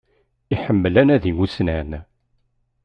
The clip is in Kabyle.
Iḥemmel anadi ussnan